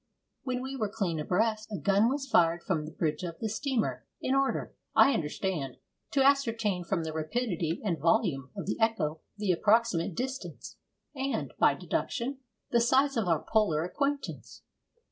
When we were clean abreast, a gun was fired from the bridge of the steamer, in order, I understand, to ascertain from the rapidity and volume of the echo the approximate distance, and, by deduction, the size of our polar acquaintance.